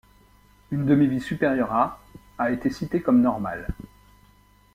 Une demi-vie supérieure à a été citée comme normale.